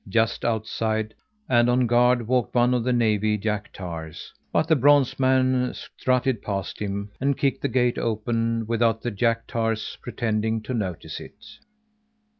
Just outside and on guard walked one of the navy's jack tars, but the bronze man strutted past him and kicked the gate open without the jack tar's pretending to notice it.